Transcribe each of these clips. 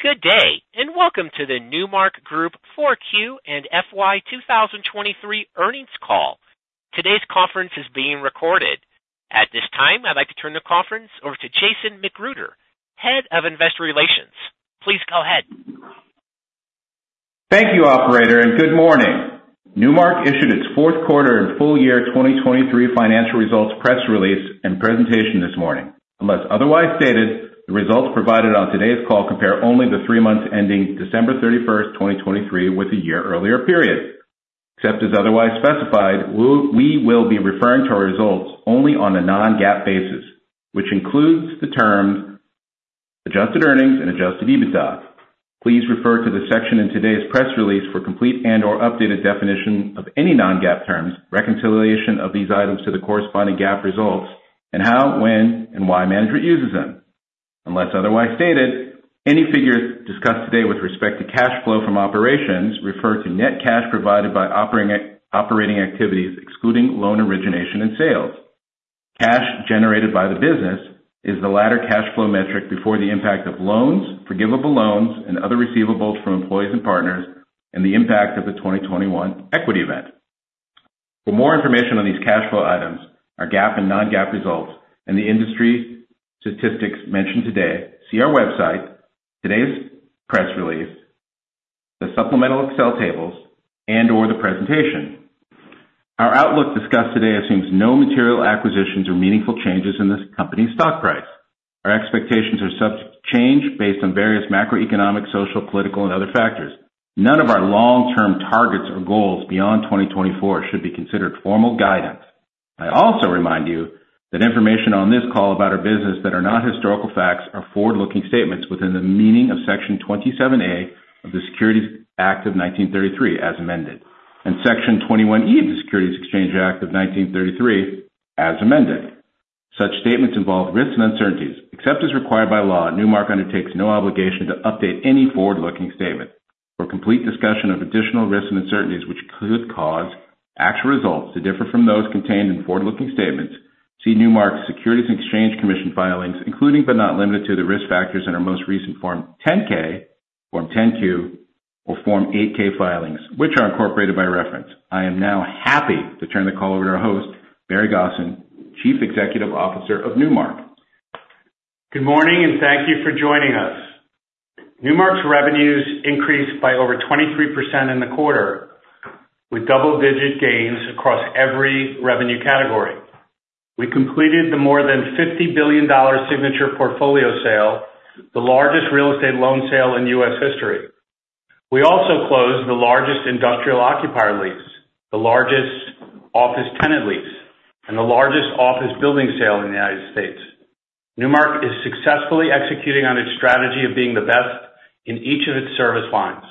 Good day, and welcome to the Newmark Group 4Q and FY 2023 earnings call. Today's conference is being recorded. At this time, I'd like to turn the conference over to Jason McGruder, Head of Investor Relations. Please go ahead. Thank you, operator, and good morning. Newmark issued its fourth quarter and full year 2023 financial results, press release, and presentation this morning. Unless otherwise stated, the results provided on today's call compare only the three months ending December 31, 2023, with a year earlier period. Except as otherwise specified, we will be referring to our results only on a non-GAAP basis, which includes the terms adjusted earnings and adjusted EBITDA. Please refer to the section in today's press release for complete and/or updated definition of any non-GAAP terms, reconciliation of these items to the corresponding GAAP results, and how, when, and why management uses them. Unless otherwise stated, any figures discussed today with respect to cash flow from operations refer to net cash provided by operating activities, excluding loan origination and sales. Cash generated by the business is the latter cash flow metric before the impact of loans, forgivable loans, and other receivables from employees and partners, and the impact of the 2021 equity event. For more information on these cash flow items, our GAAP and non-GAAP results, and the industry statistics mentioned today, see our website, today's press release, the supplemental Excel tables, and/or the presentation. Our outlook discussed today assumes no material acquisitions or meaningful changes in this company's stock price. Our expectations are subject to change based on various macroeconomic, social, political, and other factors. None of our long-term targets or goals beyond 2024 should be considered formal guidance. I also remind you that information on this call about our business that are not historical facts are forward-looking statements within the meaning of Section 27A of the Securities Act of 1933, as amended, and Section 21E of the Securities Exchange Act of 1934, as amended. Such statements involve risks and uncertainties. Except as required by law, Newmark undertakes no obligation to update any forward-looking statement. For complete discussion of additional risks and uncertainties which could cause actual results to differ from those contained in forward-looking statements, see Newmark's Securities and Exchange Commission filings, including but not limited to, the risk factors in our most recent Form 10-K, Form 10-Q, or Form 8-K filings, which are incorporated by reference. I am now happy to turn the call over to our host, Barry Gosin, Chief Executive Officer of Newmark. Good morning, and thank you for joining us. Newmark's revenues increased by over 23% in the quarter, with double-digit gains across every revenue category. We completed the more than $50 billion Signature portfolio sale, the largest real estate loan sale in U.S. history. We also closed the largest industrial occupier lease, the largest office tenant lease, and the largest office building sale in the United States. Newmark is successfully executing on its strategy of being the best in each of its service lines.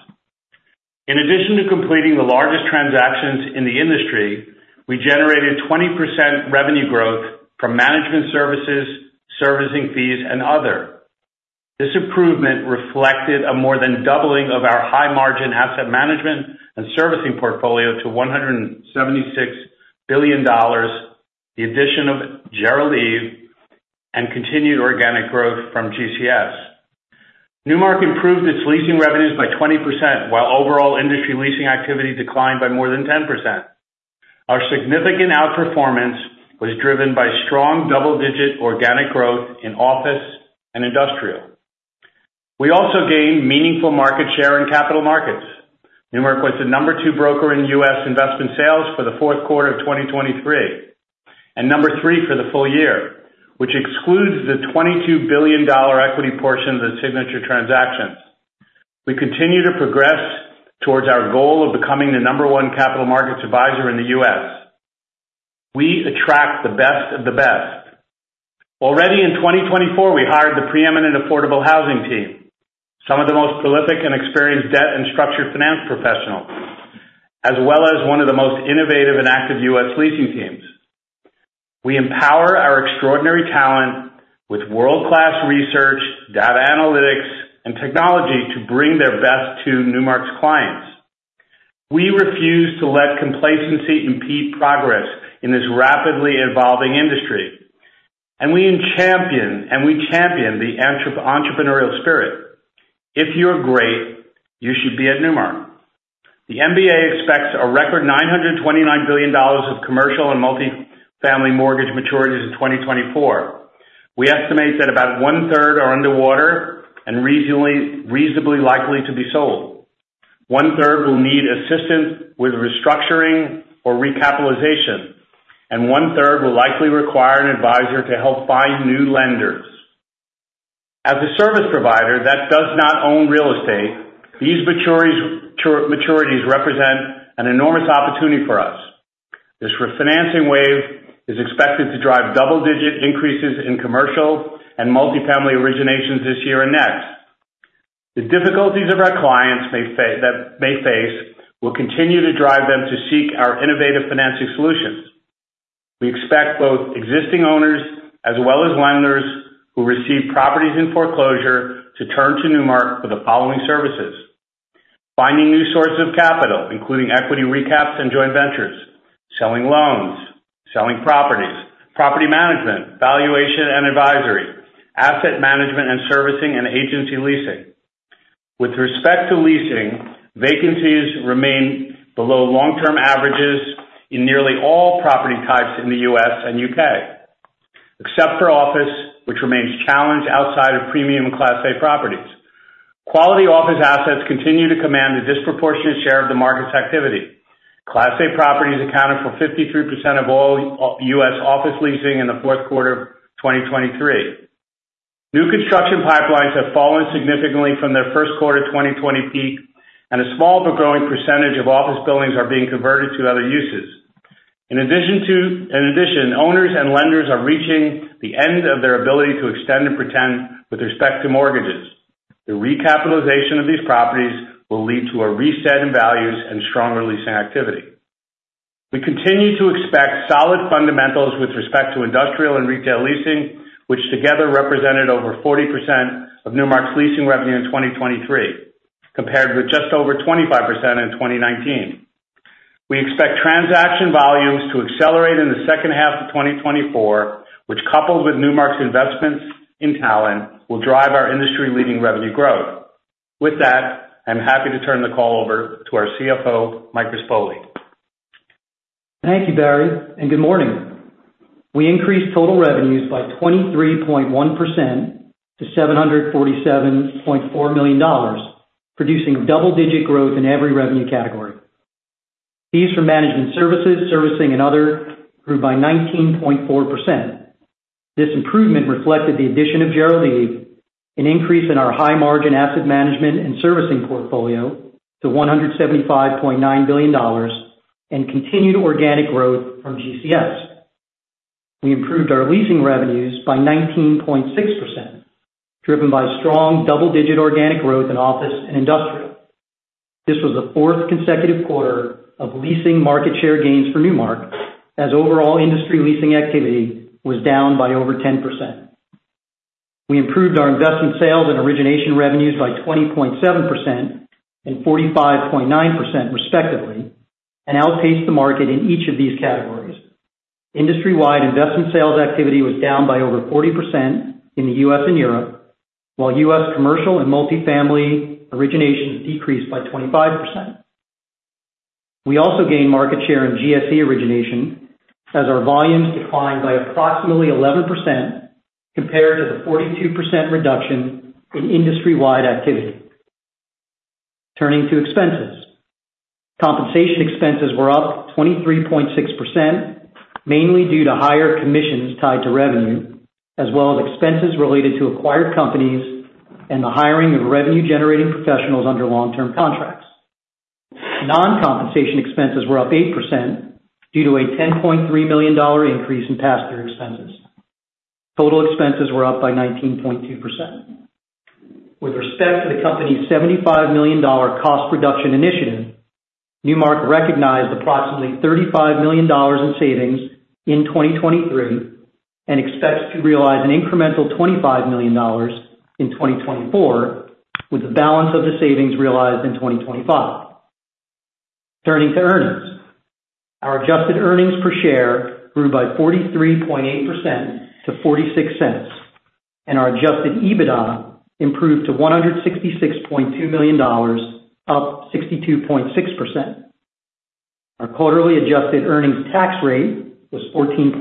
In addition to completing the largest transactions in the industry, we generated 20% revenue growth from management services, servicing fees, and other. This improvement reflected a more than doubling of our high-margin asset management and servicing portfolio to $176 billion, the addition of Gerald Eve, and continued organic growth from GCS. Newmark improved its leasing revenues by 20%, while overall industry leasing activity declined by more than 10%. Our significant outperformance was driven by strong double-digit organic growth in office and industrial. We also gained meaningful market share in capital markets. Newmark was the number two broker in U.S. investment sales for the fourth quarter of 2023, and number 3 for the full year, which excludes the $22 billion equity portion of the Signature transactions. We continue to progress towards our goal of becoming the number one capital markets advisor in the U.S. We attract the best of the best. Already in 2024, we hired the preeminent affordable housing team, some of the most prolific and experienced debt and structured finance professionals, as well as one of the most innovative and active U.S. leasing teams. We empower our extraordinary talent with world-class research, data analytics, and technology to bring their best to Newmark's clients. We refuse to let complacency impede progress in this rapidly evolving industry, and we champion the entrepreneurial spirit. If you're great, you should be at Newmark. The MBA expects a record $929 billion of commercial and multifamily mortgage maturities in 2024. We estimate that about one-third are underwater and reasonably, reasonably likely to be sold. One-third will need assistance with restructuring or recapitalization, and one-third will likely require an advisor to help find new lenders. As a service provider that does not own real estate, these maturities, maturities represent an enormous opportunity for us. This refinancing wave is expected to drive double-digit increases in commercial and multifamily originations this year and next. The difficulties of our clients that they face will continue to drive them to seek our innovative financing solutions. We expect both existing owners as well as lenders who receive properties in foreclosure to turn to Newmark for the following services: finding new sources of capital, including equity recaps and joint ventures, selling loans, selling properties, property management, valuation and advisory, asset management and servicing, and agency leasing. With respect to leasing, vacancies remain below long-term averages in nearly all property types in the U.S. and U.K., except for office, which remains challenged outside of premium Class A properties. Quality office assets continue to command a disproportionate share of the market's activity. Class A properties accounted for 53% of all U.S. office leasing in the fourth quarter of 2023. New construction pipelines have fallen significantly from their first quarter 2020 peak, and a small but growing percentage of office buildings are being converted to other uses. In addition, owners and lenders are reaching the end of their ability to extend and pretend with respect to mortgages. The recapitalization of these properties will lead to a reset in values and stronger leasing activity. We continue to expect solid fundamentals with respect to industrial and retail leasing, which together represented over 40% of Newmark's leasing revenue in 2023, compared with just over 25% in 2019. We expect transaction volumes to accelerate in the second half of 2024, which, coupled with Newmark's investments in talent, will drive our industry-leading revenue growth. With that, I'm happy to turn the call over to our CFO, Mike Rispoli. Thank you, Barry, and good morning. We increased total revenues by 23.1% to $747.4 million, producing double-digit growth in every revenue category. Fees from management services, servicing, and other grew by 19.4%. This improvement reflected the addition of Gerald Eve, an increase in our high-margin asset management and servicing portfolio to $175.9 billion, and continued organic growth from GCS. We improved our leasing revenues by 19.6%, driven by strong double-digit organic growth in office and industrial. This was the fourth consecutive quarter of leasing market share gains for Newmark, as overall industry leasing activity was down by over 10%. We improved our investment sales and origination revenues by 20.7% and 45.9%, respectively, and outpaced the market in each of these categories. Industry-wide investment sales activity was down by over 40% in the U.S. and Europe, while U.S. commercial and multifamily origination decreased by 25%. We also gained market share in GSE origination, as our volumes declined by approximately 11% compared to the 42% reduction in industry-wide activity. Turning to expenses. Compensation expenses were up 23.6%, mainly due to higher commissions tied to revenue, as well as expenses related to acquired companies and the hiring of revenue-generating professionals under long-term contracts. Non-compensation expenses were up 8% due to a $10.3 million increase in pass-through expenses. Total expenses were up by 19.2%. With respect to the company's $75 million cost reduction initiative, Newmark recognized approximately $35 million in savings in 2023 and expects to realize an incremental $25 million in 2024, with the balance of the savings realized in 2025. Turning to earnings. Our adjusted earnings per share grew by 43.8% to $0.46, and our adjusted EBITDA improved to $166.2 million, up 62.6%. Our quarterly adjusted earnings tax rate was 14.8%,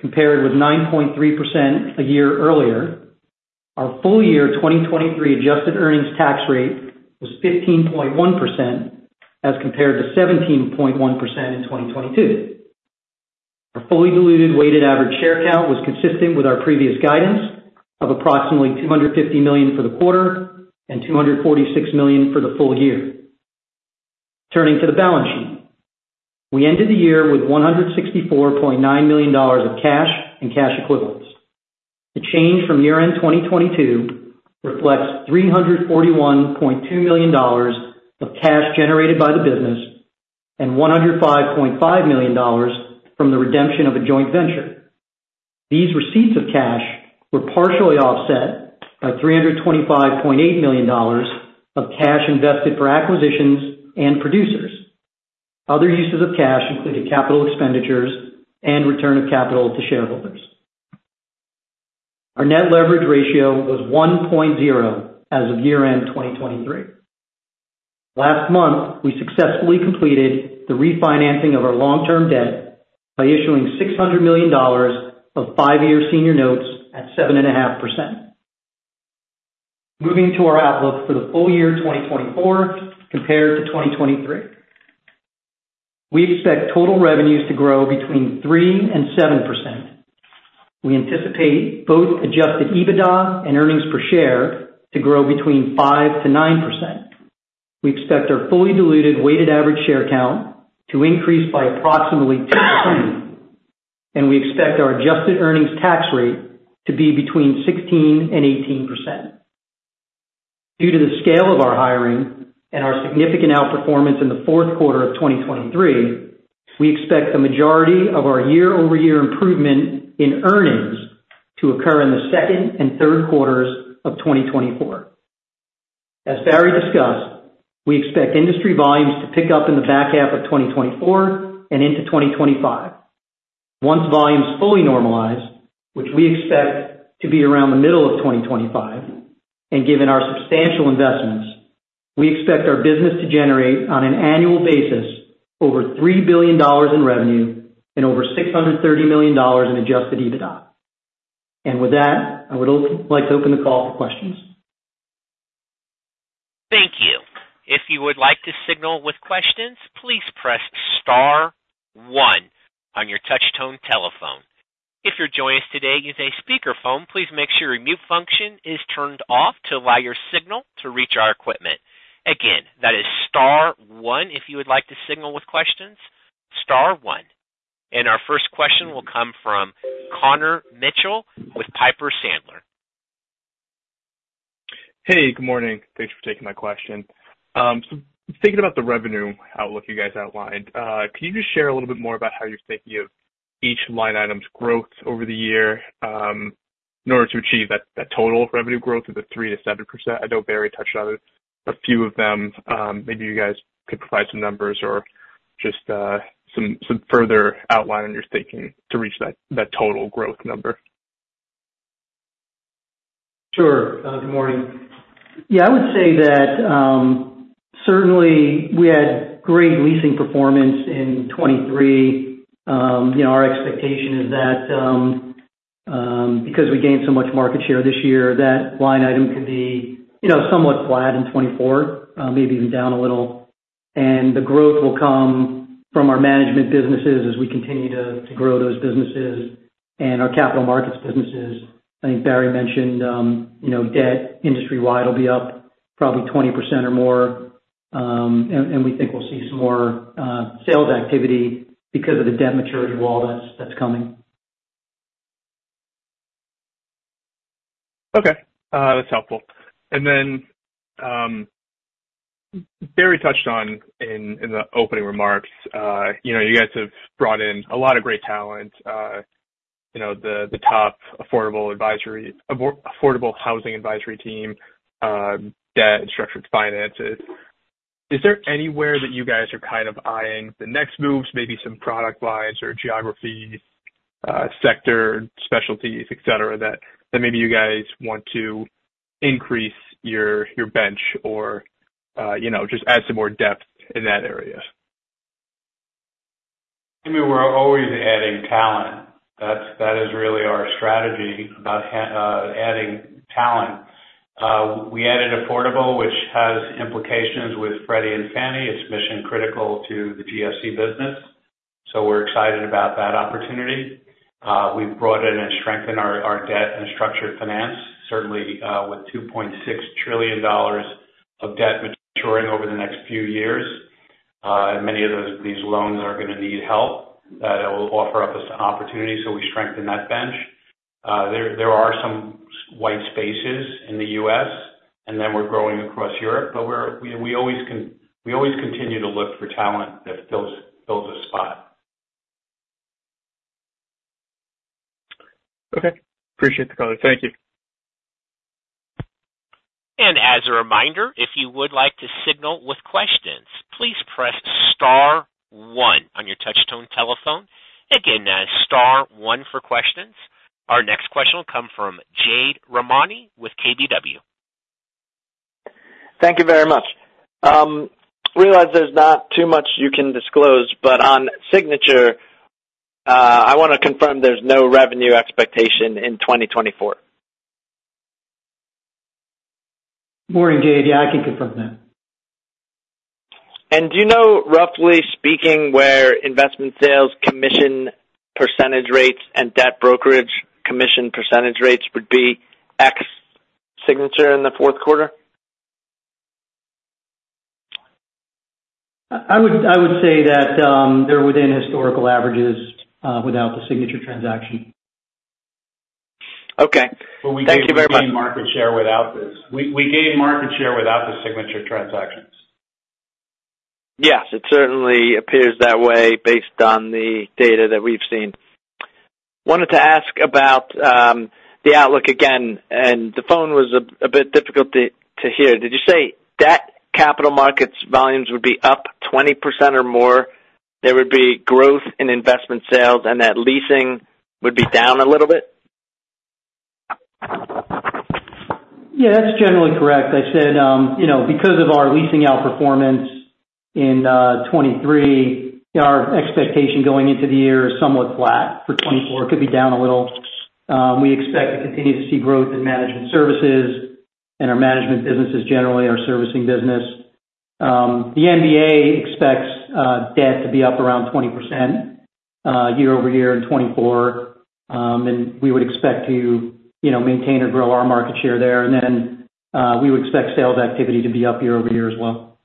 compared with 9.3% a year earlier. Our full-year 2023 adjusted earnings tax rate was 15.1%, as compared to 17.1% in 2022. Our fully diluted weighted average share count was consistent with our previous guidance of approximately 250 million for the quarter and 246 million for the full year. Turning to the balance sheet. We ended the year with $164.9 million of cash and cash equivalents. The change from year-end 2022 reflects $341.2 million of cash generated by the business and $105.5 million from the redemption of a joint venture. These receipts of cash were partially offset by $325.8 million of cash invested for acquisitions and producers. Other uses of cash included capital expenditures and return of capital to shareholders. Our net leverage ratio was 1.0 as of year-end 2023. Last month, we successfully completed the refinancing of our long-term debt by issuing $600 million of 5-year senior notes at 7.5%. Moving to our outlook for the full year 2024 compared to 2023. We expect total revenues to grow between 3%-7%. We anticipate both Adjusted EBITDA and earnings per share to grow between 5%-9%. We expect our fully diluted weighted average share count to increase by approximately 2%, and we expect our adjusted earnings tax rate to be between 16%-18%. Due to the scale of our hiring and our significant outperformance in the fourth quarter of 2023, we expect the majority of our year-over-year improvement in earnings to occur in the second and third quarters of 2024. As Barry discussed, we expect industry volumes to pick up in the back half of 2024 and into 2025. Once volumes fully normalize, which we expect to be around the middle of 2025, and given our substantial investments, we expect our business to generate, on an annual basis, over $3 billion in revenue and over $630 million in adjusted EBITDA. And with that, I would like to open the call for questions. Thank you. If you would like to signal with questions, please press star one on your touchtone telephone. If you're joining us today using a speakerphone, please make sure your mute function is turned off to allow your signal to reach our equipment. Again, that is star one if you would like to signal with questions, star one. Our first question will come from Connor Mitchell with Piper Sandler. Hey, good morning. Thanks for taking my question. Thinking about the revenue outlook you guys outlined, can you just share a little bit more about how you're thinking of each line item's growth over the year, in order to achieve that, that total revenue growth of 3%-7%? I know Barry touched on a, a few of them. Maybe you guys could provide some numbers or just, some, some further outline on your thinking to reach that, that total growth number. Sure. Good morning. Yeah, I would say that, certainly we had great leasing performance in 2023. You know, our expectation is that, because we gained so much market share this year, that line item could be, you know, somewhat flat in 2024, maybe even down a little. And the growth will come from our management businesses as we continue to grow those businesses and our capital markets businesses. I think Barry mentioned, you know, debt industry-wide will be up probably 20% or more, and we think we'll see some more sales activity because of the debt maturity wall that's coming. Okay, that's helpful. And then, Barry touched on in the opening remarks, you know, you guys have brought in a lot of great talent, you know, the top affordable housing advisory team, debt and structured finances. Is there anywhere that you guys are kind of eyeing the next moves, maybe some product lines or geographies, sector specialties, et cetera, et cetera, that maybe you guys want to increase your bench or, you know, just add some more depth in that area? I mean, we're always adding talent. That's, that is really our strategy about adding talent. We added affordable, which has implications with Freddie and Fannie. It's mission critical to the GCS business, so we're excited about that opportunity. We've brought in and strengthened our debt and structured finance, certainly, with $2.6 trillion of debt maturing over the next few years. And many of those, these loans are going to need help. That will offer up an opportunity, so we strengthen that bench. There are some white spaces in the U.S., and then we're growing across Europe, but we always continue to look for talent that fills a spot. Okay. Appreciate the call. Thank you. As a reminder, if you would like to signal with questions, please press star one on your touchtone telephone. Again, that's star one for questions. Our next question will come from Jade Rahmani with KBW. Thank you very much. Realize there's not too much you can disclose, but on Signature, I want to confirm there's no revenue expectation in 2024. Morning, Jade. Yeah, I can confirm that. Do you know, roughly speaking, where investment sales commission percentage rates and debt brokerage commission percentage rates would be ex-Signature in the fourth quarter? I would say that they're within historical averages without the Signature transaction. Okay. Thank you very much. We gained market share without this. We gained market share without the Signature transactions. Yes, it certainly appears that way based on the data that we've seen. Wanted to ask about the outlook again, and the phone was a bit difficult to hear. Did you say debt capital markets volumes would be up 20% or more, there would be growth in investment sales, and that leasing would be down a little bit? Yeah, that's generally correct. I said, you know, because of our leasing outperformance in 2023, our expectation going into the year is somewhat flat. For 2024, it could be down a little. We expect to continue to see growth in management services and our management businesses, generally our servicing business. The MBA expects debt to be up around 20% year-over-year in 2024. And we would expect to, you know, maintain or grow our market share there. And then we would expect sales activity to be up year-over-year as well.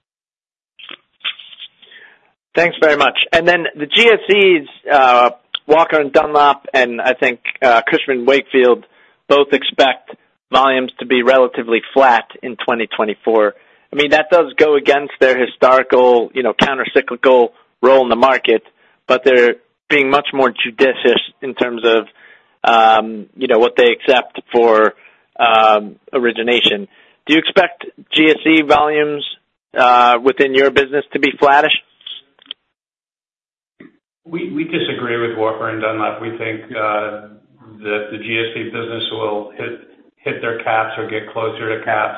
Thanks very much. Then the GSEs, Walker & Dunlop and I think Cushman & Wakefield, both expect volumes to be relatively flat in 2024. I mean, that does go against their historical, you know, countercyclical role in the market, but they're being much more judicious in terms of, you know, what they accept for origination. Do you expect GSE volumes within your business to be flattish? We disagree with Walker & Dunlop. We think that the GSE business will hit their caps or get closer to caps.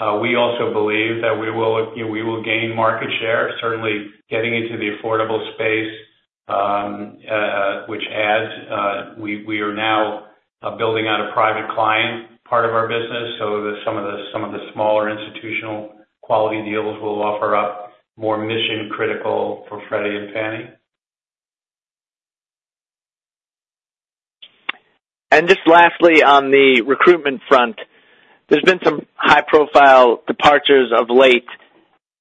We also believe that we will, you know, we will gain market share, certainly getting into the affordable space, which adds, we are now building out a private client part of our business, so that some of the smaller institutional quality deals will offer up more mission-critical for Freddie and Fannie. Just lastly, on the recruitment front, there's been some high-profile departures of late,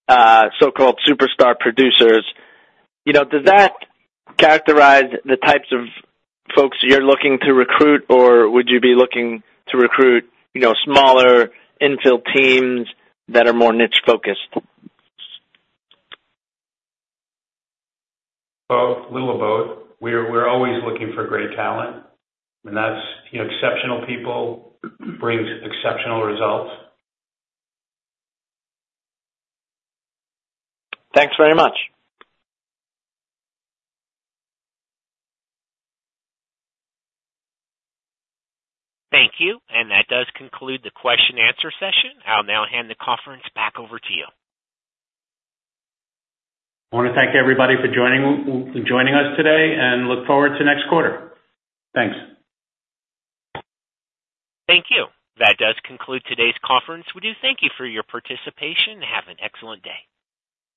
so-called superstar producers. You know, does that characterize the types of folks you're looking to recruit, or would you be looking to recruit, you know, smaller infill teams that are more niche focused? Both. A little of both. We're always looking for great talent, and that's, you know, exceptional people brings exceptional results. Thanks very much. Thank you, and that does conclude the question-and-answer session. I'll now hand the conference back over to you. I wanna thank everybody for joining us today and look forward to next quarter. Thanks. Thank you. That does conclude today's conference. We do thank you for your participation, and have an excellent day.